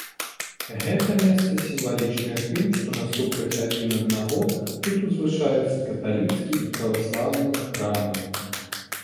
Гэта месца сімвалічнае тым, што насупраць адзін аднаго тут узвышаюцца каталіцкі і праваслаўны храмы.